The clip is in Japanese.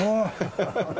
ハハハハ。